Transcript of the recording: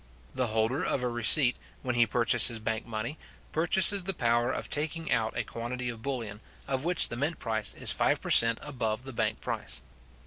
The holder of a receipt, when he purchases bank money, purchases the power of taking out a quantity of bullion, of which the mint price is five per cent. above the bank price.